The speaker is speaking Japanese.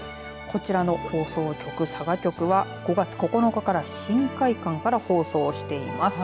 こちらの放送局、佐賀局は５月９日から新会館から放送しています。